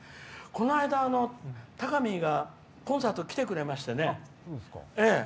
この間、たかみーがコンサート来てくれまして。